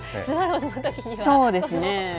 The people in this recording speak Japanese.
そうですね。